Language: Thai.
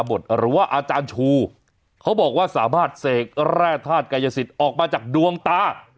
หรือว่าอาจารย์ชูเขาบอกว่าสามารถเสกแร่ธาตุกายสิทธิ์ออกมาจากดวงตา